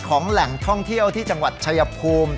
แหล่งท่องเที่ยวที่จังหวัดชายภูมิ